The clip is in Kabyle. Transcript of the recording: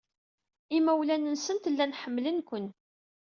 Imawlan-nsent llan ḥemmlen-ken.